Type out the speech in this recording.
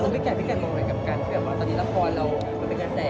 พี่แก่มองเหมือนกับกันเหมือนว่าตอนนี้ละครเรามันเป็นกระแส